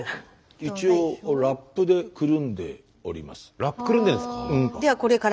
一応ラップでくるんでるんですか？